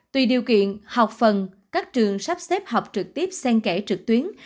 tùy điều kiện học phần các trường sắp xếp học trực tiếp sen kẻ trực tuyến